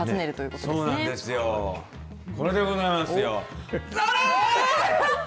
これでございますよ。